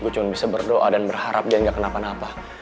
gue cuma bisa berdoa dan berharap janji kenapa napa